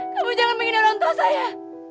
kamu jangan mengingin orang tua saya